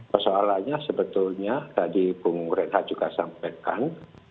persoalannya sebetulnya tadi bung renha juga sampaikan